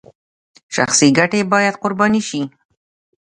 شخصي ګټې باید قرباني شي